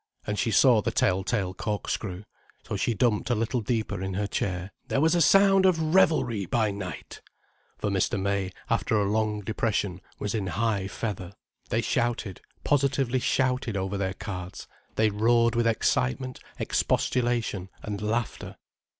And she saw the tell tale corkscrew. So she dumped a little deeper in her chair. "There was a sound of revelry by night!" For Mr. May, after a long depression, was in high feather. They shouted, positively shouted over their cards, they roared with excitement, expostulation, and laughter.